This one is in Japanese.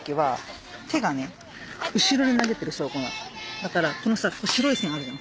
「だからこのさ白い線あるじゃん。